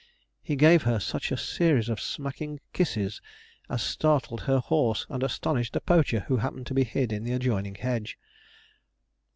He gave her such a series of smacking kisses as startled her horse and astonished a poacher who happened to be hid in the adjoining hedge.